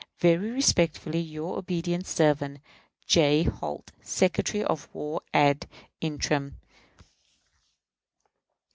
Very respectfully, your obedient servant, J. HOLT, _Secretary of War ad interim.